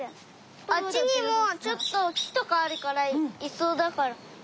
あっちにもちょっときとかあるからいそうだから。